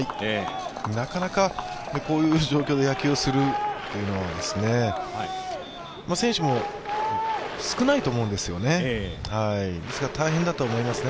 なかなかこういう状況で野球をするというのは、選手も、少ないと思うんですよね、ですから大変だと思いますね。